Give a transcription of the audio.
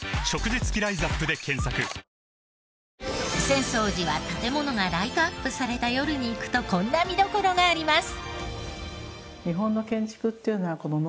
浅草寺は建ものがライトアップされた夜に行くとこんな見どころがあります。